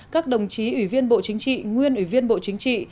các đồng chí ủy viên bộ chính trị nguyên ủy viên bộ chính trị